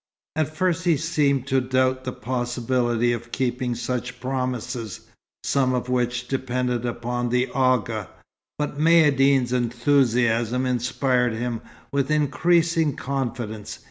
At first he seemed to doubt the possibility of keeping such promises, some of which depended upon the Agha; but Maïeddine's enthusiasm inspired him with increasing confidence.